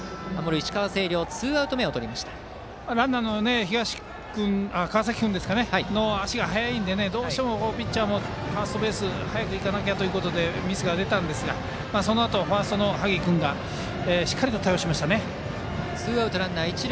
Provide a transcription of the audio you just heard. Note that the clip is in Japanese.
石川・星稜ランナーの川崎君の足が速いのでどうしてもピッチャーもファーストベースに早くいかなきゃということでミスが出ましたがそのあと、ファーストの萩君がしっかりと対応しましたね。